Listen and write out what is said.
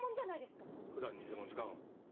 普段偽物使うん？